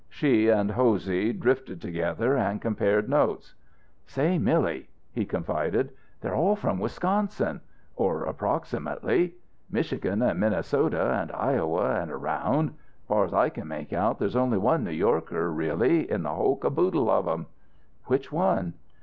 She and Hosey drifted together and compared notes. "Say, Milly," he confided, "they're all from Wisconsin or approximately; Michigan and Minnesota, and Iowa, and around. Far's I can make out there's only one New Yorker, really, in the whole caboodle of 'em." "Which one?"